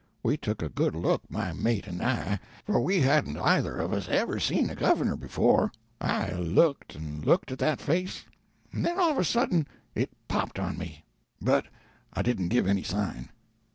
We took a good look my mate and I, for we hadn't either of us ever seen a governor before. I looked and looked at that face and then all of a sudden it popped on me! But I didn't give any sign.